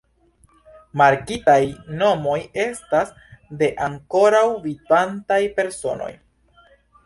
Markitaj nomoj estas de ankoraŭ vivantaj personoj.